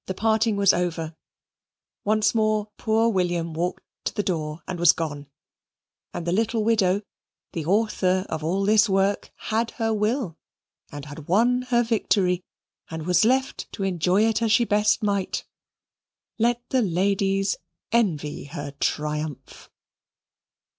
The parting was over. Once more poor William walked to the door and was gone; and the little widow, the author of all this work, had her will, and had won her victory, and was left to enjoy it as she best might. Let the ladies envy her triumph.